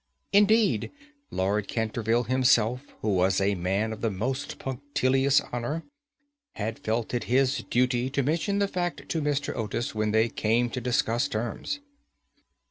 Indeed, Lord Canterville himself, who was a man of the most punctilious honour, had felt it his duty to mention the fact to Mr. Otis when they came to discuss terms.